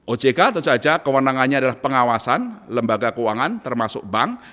ojk tentu saja kewenangannya adalah pengawasan lembaga keuangan termasuk bank